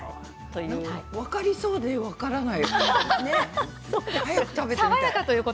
分かりそうで分からない。